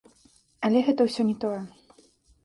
Але гэта ўсё не тое.